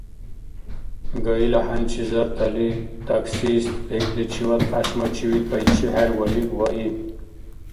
ГАИ-ла хӀянчизарли таксист бекӀличивад кьяшмачи викайчи хӀервариб ва иб.